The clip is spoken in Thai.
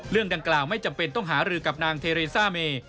เรื่องดังกล่าวไม่จำเป็นต้องหารือกับนางเทเรซ่าเม